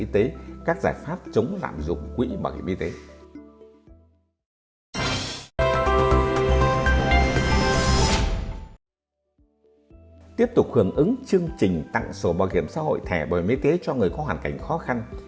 tiếp tục hưởng ứng chương trình tặng sổ bảo hiểm xã hội thẻ bảo hiểm y tế cho người có hoàn cảnh khó khăn